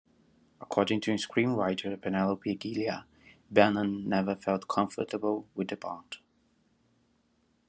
According to screenwriter Penelope Gilliatt, Bannen never felt comfortable with the part.